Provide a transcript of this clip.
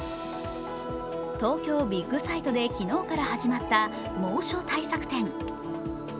東京ビッグサイトで昨日から始まった猛暑対策展。